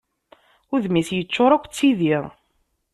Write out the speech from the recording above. Udem-is yeččur akk d tidi.